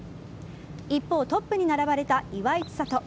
一方、トップに並ばれた岩井千怜。